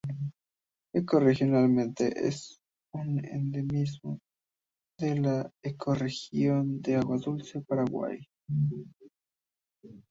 Ecorregionalmente es un endemismo de la ecorregión de agua dulce Paraguay.